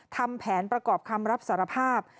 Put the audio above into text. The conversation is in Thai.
ทำแผนประกอบคำรับสารภาพ